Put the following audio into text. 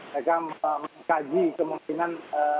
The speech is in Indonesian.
mereka mengkaji kemungkinan